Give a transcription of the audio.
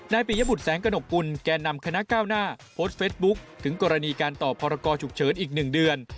ปียบุตรแสงกระหนกกุลแก่นำคณะก้าวหน้าโพสต์เฟสบุ๊คถึงกรณีการต่อพรกรฉุกเฉินอีก๑เดือน